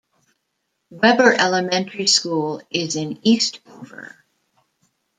Webber Elementary School is in Eastover.